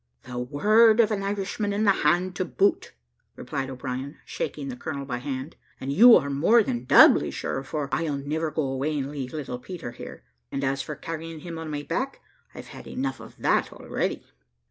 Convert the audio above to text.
"The word of an Irishman, and the hand to boot," replied O'Brien, shaking the colonel by the hand; "and you are more than doubly sure, for I'll never go away and leave little Peter here; and as for carrying him on my back, I've had enough of that already."